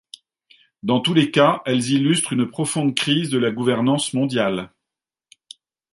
Dans tous les cas, elles illustrent une profonde crise de la gouvernance mondiale.